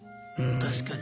確かに。